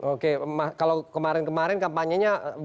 oke kalau kemarin kemarin kampanyenya